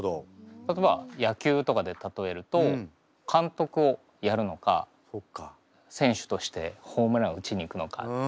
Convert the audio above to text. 例えば野球とかで例えると監督をやるのか選手としてホームラン打ちにいくのか。